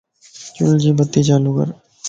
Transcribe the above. چل جي بتي چالو ڪر